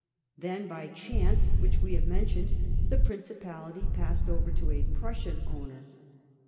Then, by the chance which we have men tioned, the principality passed over to a Prussian owner.